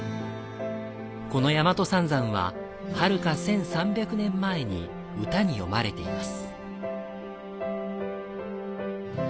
この大和三山は、はるか１３００年前に歌に詠まれています。